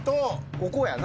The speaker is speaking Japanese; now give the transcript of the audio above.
ここやな。